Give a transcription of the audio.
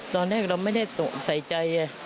ตอนแรกเราไม่ได้ใส่ใจ